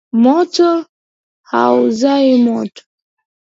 Moto hauzai moto